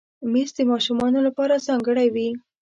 مېز د ماشومانو لپاره ځانګړی وي.